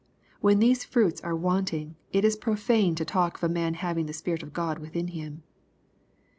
'' When these " fruits'' are wanting, it is profane to talk of a man having the Spirit of God within him.